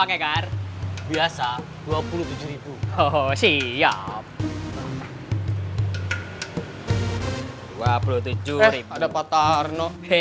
eh ada pak tarno